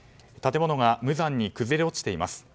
建物が無残に崩れ落ちています。